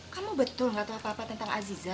kamu betul gak tau apa apa tentang ajiza